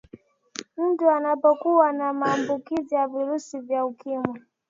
mtu anapokuwa na maambukizi ya virusi vya ukimwi